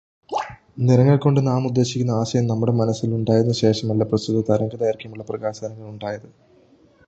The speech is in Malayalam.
നിറങ്ങൾ കൊണ്ടു നാമുദ്ദേശിക്കുന്ന ആശയം നമ്മുടെ മനസ്സിൽ ഉണ്ടായതിനു ശേഷമല്ല പ്രസ്തുത തരംഗദൈർഗ്ഘ്യമുള്ള പ്രകാശതരംഗങ്ങൾ ഉണ്ടായത്.